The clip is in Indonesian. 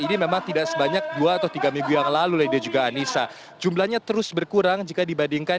ini memang tidak sebanyak dua atau tiga minggu yang lalu lady juga anissa jumlahnya terus berkurang jika dibandingkan